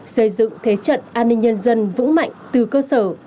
xây dựng thế trận an ninh nhân dân vững mạnh từ cơ sở